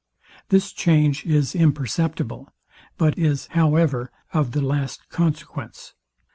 This change is imperceptible; but is, however, of the last consequence.